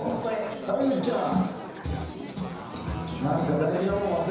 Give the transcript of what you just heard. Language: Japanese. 上口ちゃん。